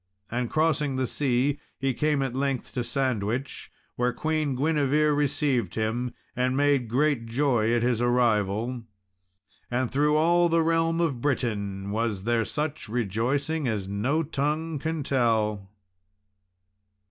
And crossing the sea, he came at length to Sandwich, where Queen Guinevere received him, and made great joy at his arrival. And through all the realm of Britain was there such rejoicing as no tongue can tell.